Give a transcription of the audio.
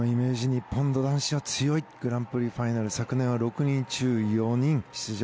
日本の男子は強いグランプリファイナル昨年は６人中４人出場。